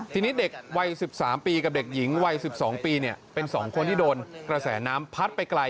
ทีนี้เด็กวัย๑๓ปีกับเด็กหญิงวัย๑๒ปีเป็น๒คนที่โดนกระแสน้ำพัดไปไกล